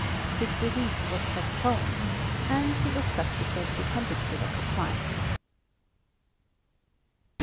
His release was postponed and he was subsequently convicted of the crime.